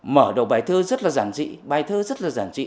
mở đầu bài thơ rất là giản dị bài thơ rất là giản trị